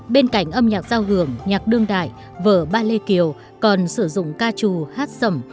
bên cạnh âm nhạc giao hưởng nhạc đương đại vở ballet kiều còn sử dụng ca trù hát sầm